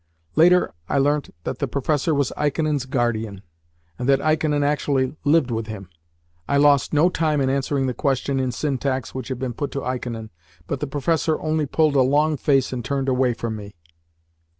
Later I learnt that the professor was Ikonin's guardian, and that Ikonin actually lived with him. I lost no time in answering the question in syntax which had been put to Ikonin, but the professor only pulled a long face and turned away from me.